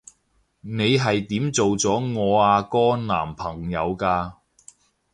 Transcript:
你係點做咗我阿哥男朋友㗎？